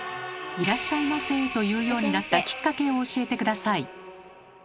「いらっしゃいませ」と言うようになったきっかけを教えて下さい。